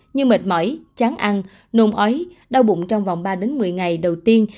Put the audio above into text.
như mệt mỏi chán ăn nôn ói đau bụng trong vòng ba một mươi ngày đầu tiên